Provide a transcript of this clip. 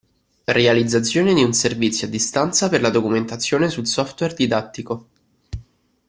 Realizzazione di un servizio a distanza per la documentazione sul software didattico.